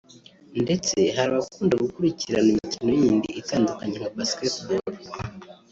ndetse hari abakunda gukurikirana imikino yindi itandukanye nka Basket Ball